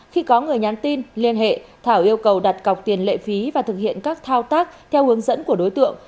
khi có người nhắn tin liên hệ thảo yêu cầu đặt cọc tiền lệ phí và thực hiện các thao tác theo hướng dẫn của đối tượng